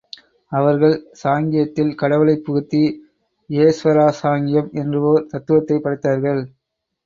அவர்கள் சாங்கியத்தில் கடவுளைப் புகுத்தி யேஸ்வரசாங்கியம் என்றவோர் தத்துவத்தைப் படைத்தார்கள்.